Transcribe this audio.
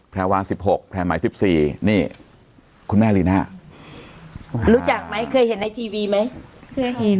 แพรวา๑๖แพรไหม๑๔นี่คุณแม่ลีน่ารู้จักไหมเคยเห็นในทีวีไหมเคยเห็น